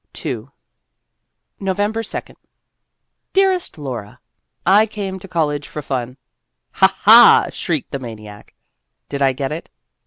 II November 2d. DEAREST LAURA : I came to college for fun. (Ha, ha! shrieked the maniac.) Did I get it